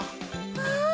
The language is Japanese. わあ！